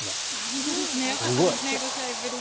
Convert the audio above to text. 本当ですねよかったですね、５試合ぶりに。